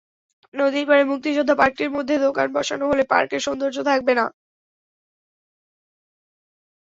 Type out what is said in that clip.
নদীর পাড়ে মুক্তিযোদ্ধা পার্কটির মধ্যে দোকান বসানো হলে পার্কের সৌন্দর্য থাকবে না।